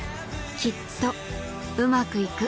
きっとウマくいく